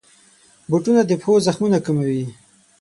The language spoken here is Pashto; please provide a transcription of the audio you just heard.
بوټونه د پښو زخمونه کموي.